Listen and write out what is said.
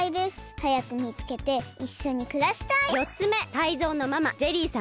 はやくみつけていっしょにくらしたい！